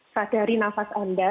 sadari nafas anda